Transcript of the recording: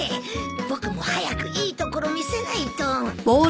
僕も早くいいところ見せないと。